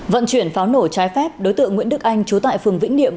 vận chuyển pháo nổ trái phép đối tượng nguyễn đức anh trú tại phường vĩnh niệm